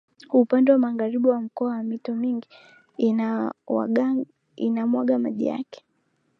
Upande wa magharibi wa mkoa mito mingi ina mwaga maji yake